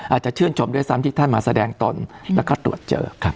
อาจจะชื่นชมด้วยซ้ำที่ท่านมาแสดงตนแล้วก็ตรวจเจอครับ